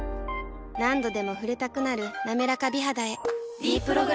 何度でも触れたくなる「なめらか美肌」へ「ｄプログラム」